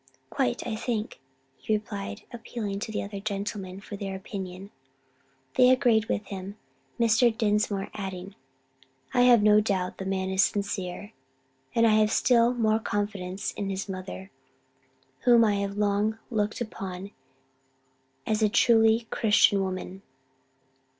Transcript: "Quite, I think," he replied, appealing to the other gentlemen for their opinion. They agreed with him, Mr. Dinsmore adding, "I have no doubt the man is sincere; and I have still more confidence in his mother, whom I have long looked upon as a truly Christian woman."